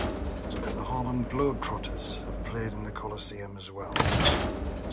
The Harlem Globetrotters have played in the Coliseum as well.